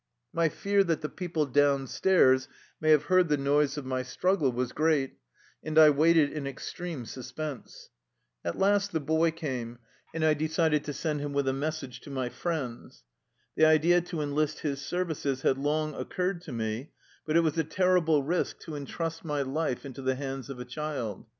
My fear that the peo ple down stairs may have heard the noise of my struggle was great, and I waited in extreme suspense. At last the boy came, and I decided 220 THE LIFE STOEY OF A RUSSIAN EXILE to send him with a message to my friends. The idea to enlist his services had long occurred to me ; but it was a terrible risk to intrust my life into the hands of a child.